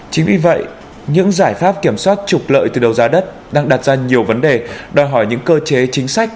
chính vì vậy những giải pháp kiểm soát trục lợi từ đầu giá đất đang đặt ra nhiều vấn đề đòi hỏi những cơ chế chính sách